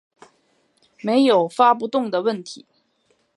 没有发不动的问题